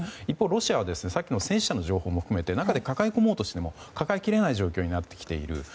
一方、ロシアはさっきの戦死者の情報も含めて中で抱え込もうとしても抱えきれない状況になってきている。